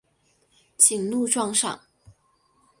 谨录状上。